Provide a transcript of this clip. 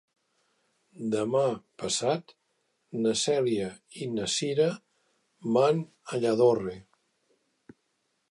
Demà passat na Cèlia i na Cira van a Lladorre.